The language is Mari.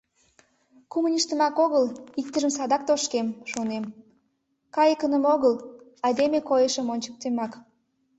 Кумыньыштымак огыл, иктыжым садак тошкем, шонем, кайыкыным огыл, айдеме койышым ончыктемак.